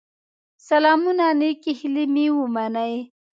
سلامونه نيکي هيلي مي ومنئ